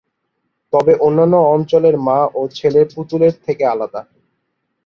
তবে অন্যান্য অঞ্চলের মা ও ছেলে পুতুলের থেকে আলাদা।